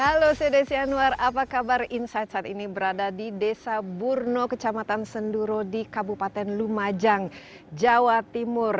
halo saya desi anwar apa kabar insight saat ini berada di desa burno kecamatan senduro di kabupaten lumajang jawa timur